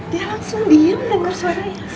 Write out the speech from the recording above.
dia langsung diem denger suaranya elsa